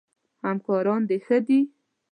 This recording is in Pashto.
همکاران د ښه دي؟